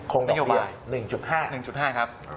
คงดอกเบี้ย๑๕ครับโอเคคงดอกเบี้ย๑๕